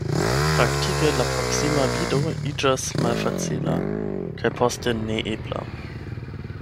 Praktike, la proksima vido iĝas malfacila, kaj poste neebla.